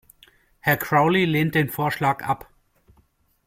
Herr Crowley lehnt den Vorschlag ab.